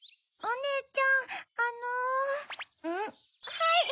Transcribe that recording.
はい。